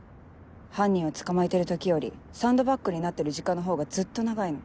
犯人を捕まえてる時よりサンドバッグになってる時間のほうがずっと長いの。